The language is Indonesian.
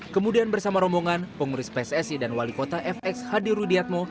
kemudian bersama rombongan pengurus pssi dan wali kota fx hadi rudiatmo